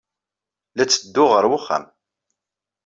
La ttedduɣ ɣer wexxam.